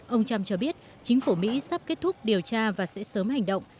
ông trump cho biết chính phủ mỹ sắp kết thúc điều tra và sẽ sớm hành động